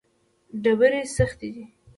ډبرې سختې دي.